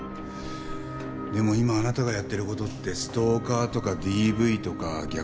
でも今あなたがやってる事ってストーカーとかＤＶとか虐待ですよ。